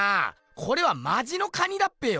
これはマジの蟹だっぺよ。